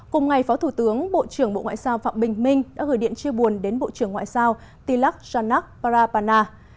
cùng ngày phó thủ tướng bộ trưởng bộ ngoại giao phạm bình minh đã gửi điện chia buồn đến bộ trưởng ngoại giao tilak janak parapana